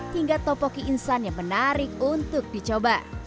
hingga topoki insan yang menarik untuk dicoba